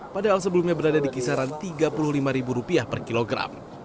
padahal sebelumnya berada di kisaran tiga puluh lima ribu rupiah per kilogram